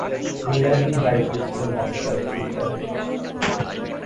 মিনারটির দায়িত্বে ছিলেন আবু সাঈদ ইব্রাহিম।